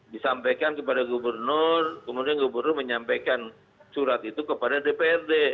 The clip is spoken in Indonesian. disampaikan kepada gubernur kemudian gubernur menyampaikan surat itu kepada dprd